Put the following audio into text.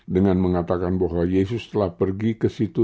dengan mengatakan bahwa yesus telah pergi ke situ